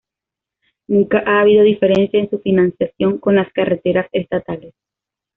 Nunca ha habido diferencia en su financiación con las carreteras estatales.